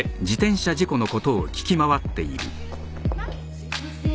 すいません。